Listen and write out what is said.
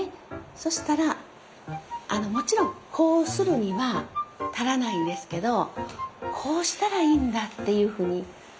そしたらもちろんこうするには足らないんですけどこうしたらいいんだっていうふうに。